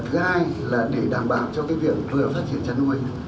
thứ hai là để đảm bảo cho việc vừa phát triển chăn nuôi